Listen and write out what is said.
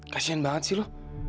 kasian banget sih lu